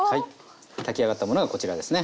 炊き上がったものがこちらですね。